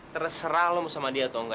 terserah lo mau sama dia atau enggak